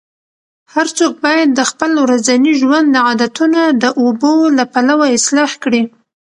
هر څوک باید د خپل ورځني ژوند عادتونه د اوبو له پلوه اصلاح کړي.